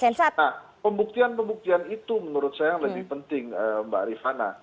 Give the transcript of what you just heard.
nah pembuktian pembuktian itu menurut saya yang lebih penting mbak rifana